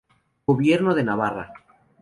Gobierno de Navarra.